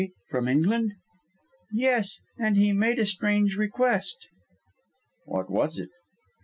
from England?" "Yes; and he made a strange request." "What was it?"